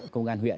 công an huyện